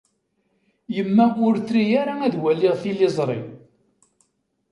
Yemma ur tri ara ad waliɣ tiliẓri.